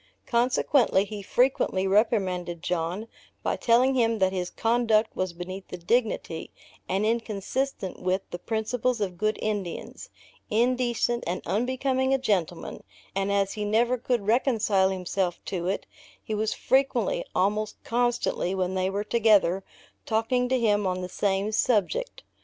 Consequently, he frequently reprimanded John, by telling him that his conduct was beneath the dignity, and inconsistent with the principles of good Indians; indecent and unbecoming a gentleman; and, as he never could reconcile himself to it, he was frequently, almost constantly, when they were together, talking to him on the same subject.